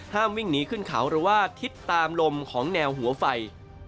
ห้ามวิ่งหนีขึ้นเขาระวาดทิศตามลมของแนวหัวไฟ